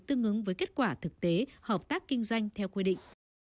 tương ứng với kết quả thực tế hợp tác kinh doanh theo quy định